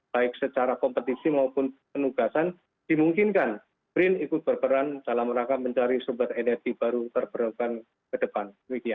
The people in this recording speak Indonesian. baik secara kompetisi maupun penugasan dimungkinkan brin ikut berperan dalam rangka mencari sumber energi baru terbarukan ke depan